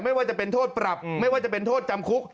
ไม่ว่าจะเป็นโทษปรับไม่ว่าจะเป็นโทษจำคุก